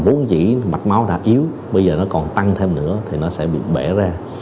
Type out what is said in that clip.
vốn dị mạch máu đã yếu bây giờ nó còn tăng thêm nữa thì nó sẽ bị bể ra